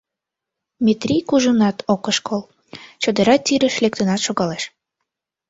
Метрий кужунат ок ошкыл — чодыра тӱрыш лектынат шогалеш.